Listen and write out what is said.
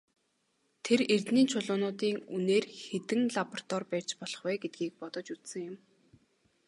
Тэр эрдэнийн чулуунуудын үнээр хэдэн лаборатори барьж болох вэ гэдгийг бодож үзсэн юм.